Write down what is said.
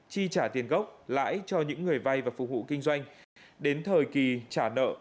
chi trả tiền gốc lãi cho những người vay và phục vụ kinh doanh đến thời kỳ trả nợ